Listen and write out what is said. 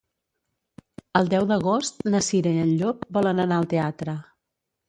El deu d'agost na Cira i en Llop volen anar al teatre.